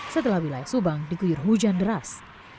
setelah wilayah subang diguyur hujan deras